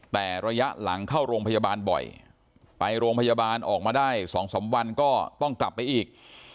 แต่ระยะหลังเข้าโรงพยาบาลบ่อยไปโรงพยาบาลออกมาได้๒๓วันก็ต้องกลับไปอีก